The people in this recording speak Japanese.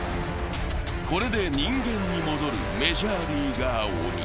これで人間に戻るメジャーリーガー鬼。